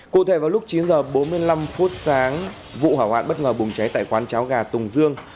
cụ thể vào lúc chín h bốn mươi năm phút sáng vụ hỏa hoạn bất ngờ bùng cháy tại quán cháo gà tùng dương